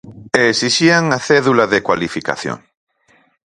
E exixían a cédula de cualificación.